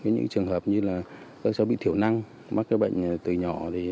những trường hợp như các cháu bị thiểu năng mắc bệnh từ nhỏ